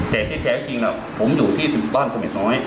แต่ที่แท้จริงผมอยู่ที่หมู่บ้านเสม็ดน้อย